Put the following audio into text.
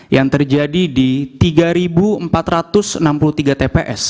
yang terjadi di tiga empat ratus enam puluh tiga tps